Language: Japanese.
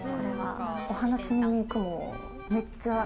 お花摘みに行くも、めっちゃ。